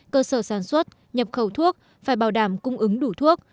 cơ sở sản xuất nhập khẩu thuốc phải bảo đảm cung ứng đủ thuốc